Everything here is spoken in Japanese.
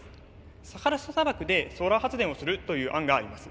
サハラ砂漠でソーラー発電をするという案があります。